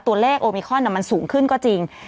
โอลิโอมิคอนมันสูงขึ้นก็จริง